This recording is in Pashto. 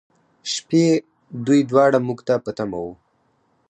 شپې، دوی دواړه موږ ته په تمه و.